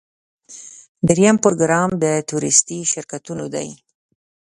دریم پروګرام د تورېستي شرکتونو دی.